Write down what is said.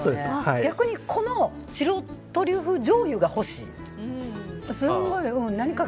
逆に、この白トリュフじょうゆが欲しい。